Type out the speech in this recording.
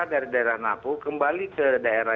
dari daerah napu kembali ke daerah